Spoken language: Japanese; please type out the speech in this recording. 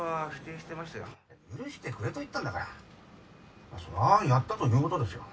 許してくれと言ったんだからまあそりゃあやったということですよ。